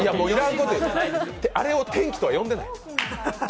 あれを天気とは読んでない。